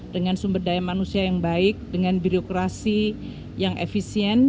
dengan sumber daya manusia yang baik dengan birokrasi yang efisien